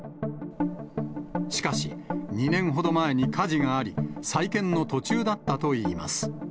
しかし、２年ほど前に火事があり、再建の途中だったといいます。